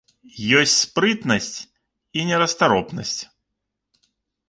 Ёсць спрытнасць і нерастаропнасць.